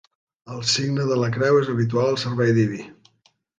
El signe de la creu és habitual al servei diví.